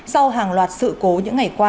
sau hàng loạt sự cố những ngày qua